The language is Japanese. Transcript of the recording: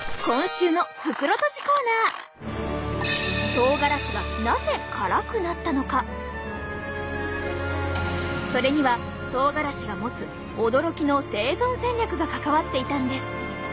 とうがらしはそれにはとうがらしが持つ驚きの生存戦略が関わっていたんです！